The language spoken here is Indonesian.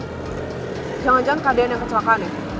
jangan jangan keadaan yang kecelakaan ya